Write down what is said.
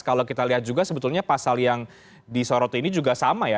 kalau kita lihat juga sebetulnya pasal yang disorot ini juga sama ya